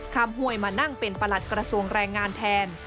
ห้วยมานั่งเป็นประหลัดกระทรวงแรงงานแทน